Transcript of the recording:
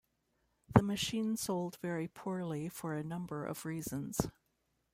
The machine sold very poorly for a number of reasons.